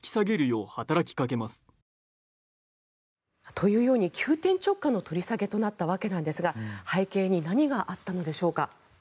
というように急転直下の取り下げとなったわけなんですが背景に何があったんでしょうか。